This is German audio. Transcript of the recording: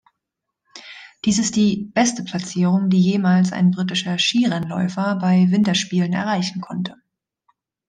Dies ist die beste Platzierung, die jemals ein britischer Skirennläufer bei Winterspielen erreichen konnte.